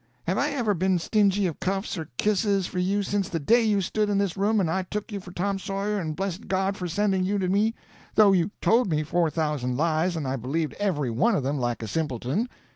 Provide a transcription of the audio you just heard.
Have I ever been stingy of cuffs or kisses for you since the day you stood in this room and I took you for Tom Sawyer and blessed God for sending you to me, though you told me four thousand lies and I believed every one of them like a simpleton?